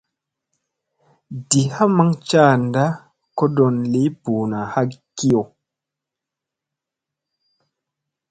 Di ha maŋ caanda kodon lii buuna hakiyo.